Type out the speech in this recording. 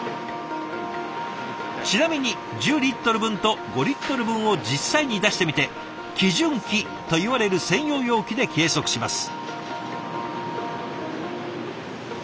ちなみに１０リットル分と５リットル分を実際に出してみて基準器といわれる専用容器で計測します。